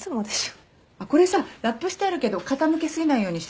これさラップしてあるけど傾け過ぎないようにして。